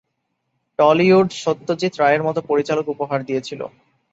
Tollywood Satyajit রায়ের মতো পরিচালক উপহার দিয়েছিল।